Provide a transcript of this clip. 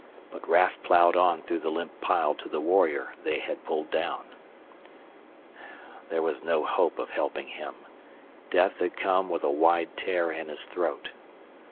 But Raf plowed on through the limp pile to the warrior they had pulled down. There was no hope of helping him death had come with a wide tear in his throat.